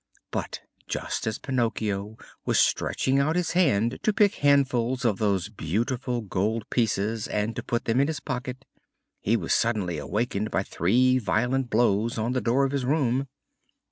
But just as Pinocchio was stretching out his hand to pick handfuls of those beautiful gold pieces and to put them in his pocket, he was suddenly awakened by three violent blows on the door of his room.